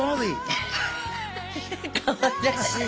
かわいらしい。